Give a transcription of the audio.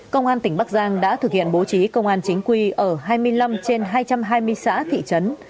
công an tỉnh bắc giang đã thực hiện bố trí công an chính quy ở hai mươi năm trên hai trăm hai mươi xã thị trấn